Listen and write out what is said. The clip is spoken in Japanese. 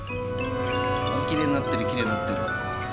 あきれいになってるきれいになってる。